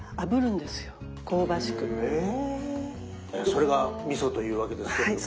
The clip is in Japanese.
それがミソというわけですけどもね。